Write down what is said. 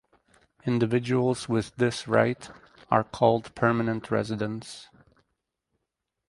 Individuals with this right are called permanent residents.